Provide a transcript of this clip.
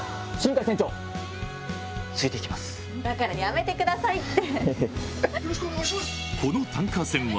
だからやめてくださいって！